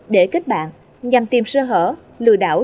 để kết bạn nhằm tìm sơ hở lừa đảo